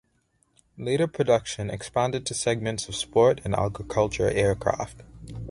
Later production expanded to segments of sport and agriculture aircraft.